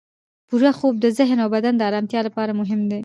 پوره خوب د ذهن او بدن د ارامتیا لپاره مهم دی.